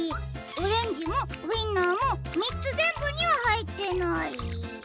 オレンジもウインナーもみっつぜんぶにははいってない。